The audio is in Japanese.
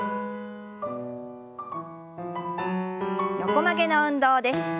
横曲げの運動です。